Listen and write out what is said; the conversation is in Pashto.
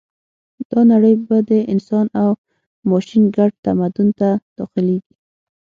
دا نړۍ به د انسان او ماشین ګډ تمدن ته داخلېږي